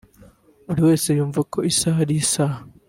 Buri wese yumva ko isaha ari isaha